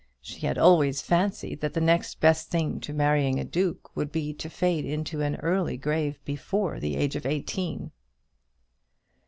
She had always fancied that the next best thing to marrying a duke would be to fade into an early grave before the age of eighteen.